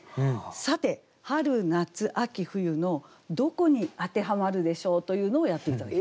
さて春夏秋冬のどこに当てはまるでしょう？というのをやって頂きたい。